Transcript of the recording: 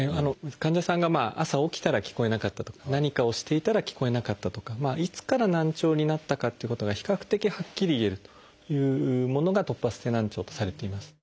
患者さんが朝起きたら聞こえなかったとか何かをしていたら聞こえなかったとかいつから難聴になったかっていうことが比較的はっきり言えるというものが突発性難聴とされています。